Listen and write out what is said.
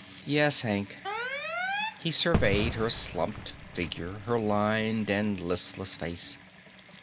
"Yes, Hank." He surveyed her slumped figure, her lined and listless face.